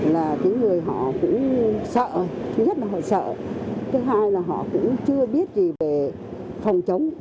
là những người họ cũng sợ thứ nhất là họ sợ thứ hai là họ cũng chưa biết gì về phòng chống